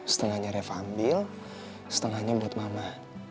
setengahnya reva ambil setengahnya buat mama